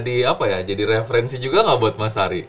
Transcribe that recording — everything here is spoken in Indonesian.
itu jadi referensi juga gak buat mas hari